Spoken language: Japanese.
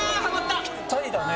ぴったりだね。